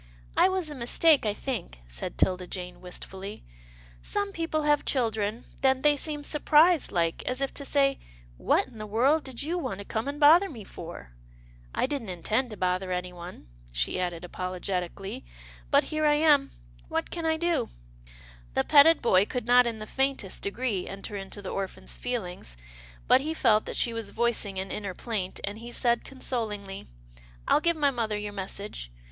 " I was a mistake, I think," said 'Tilda Jane wistfully. " Some people have children, then they seem surprised like, as if to say, * What in the world did you want to come and bother me f or ?'— I didn't intend to bother any one," she added apolo getically, " but here I am — what can I do? " The petted boy could not in the faintest degree enter into the orphan's feelings, but he felt that she was voicing an inner plaint, and he said consolingly, " I'll give my mother your message.